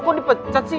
kok dipecat sih